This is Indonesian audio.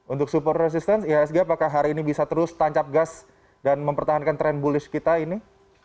untuk super resistance ihsg apakah hari ini bisa terus tancap gas dan mempertahankan tren bullish kita ini